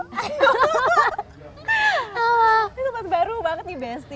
ini tempat baru banget nih besti